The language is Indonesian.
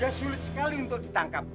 ya sulit sekali untuk ditangkap